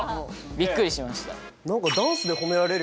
びっくりしました。